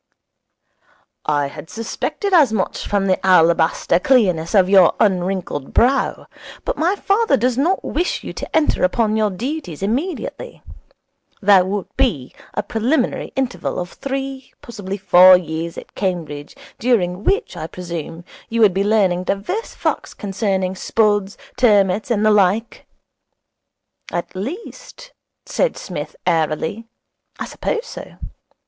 'I had suspected as much from the alabaster clearness of your unwrinkled brow. But my father does not wish you to enter upon your duties immediately. There would be a preliminary interval of three, possibly four, years at Cambridge, during which I presume, you would be learning divers facts concerning spuds, turmuts, and the like. At least,' said Psmith airily, 'I suppose so.